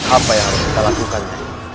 apa yang harus kita lakukan